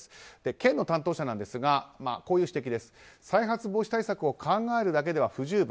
県の担当者ですが再発防止対策を考えるだけでは不十分。